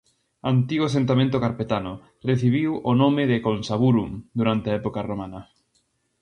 Antigo asentamento carpetano, recibiu o nome de Consaburum durante a época romana.